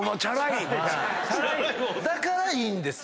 だからいいんですよ。